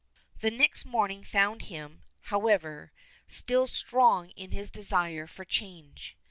The next morning found him, however, still strong in his desire for change.